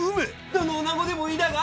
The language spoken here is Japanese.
どの女子でもいいだが。